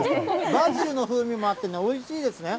バジルの風味もあって、おいしいですね。